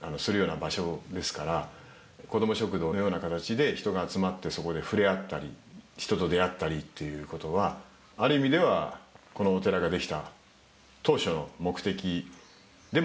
こども食堂のような形で人が集まってそこでふれあったり人と出会ったりっていう事はある意味ではこのお寺ができた当初の目的でもあるかなという。